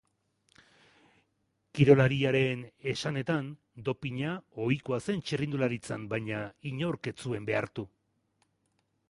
Kirolariaren esanetan, dopina ohikoa zen txirrindularitzan, baina inork ez zuen behartu.